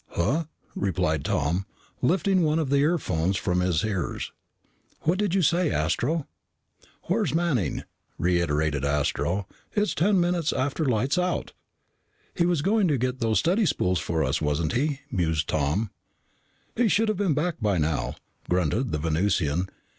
"Huh?" replied Tom, lifting one of the earphones from his ears. "What did you say, Astro?" "Where's Manning?" reiterated Astro. "It's ten minutes after lights out." "He was going to get those study spools for us, wasn't he?" mused Tom. "He should've been back by now," grunted the Venusian.